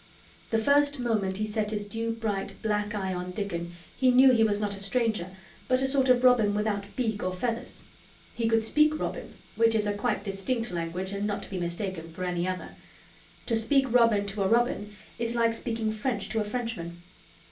The first moment he set his dew bright black eye on Dickon he knew he was not a stranger but a sort of robin without beak or feathers. He could speak robin (which is a quite distinct language not to be mistaken for any other). To speak robin to a robin is like speaking French to a Frenchman.